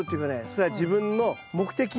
それは自分の目的。